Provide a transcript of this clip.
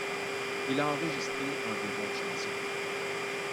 Il a enregistré environ chansons.